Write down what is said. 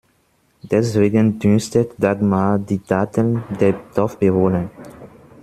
Deswegen dünstet Dagmar die Datteln der Dorfbewohner.